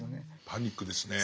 パニックですね。